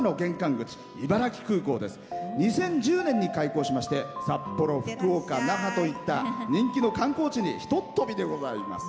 ２０１０年に開港しまして札幌、福岡、那覇といった人気の観光地にひとっ飛びでございます。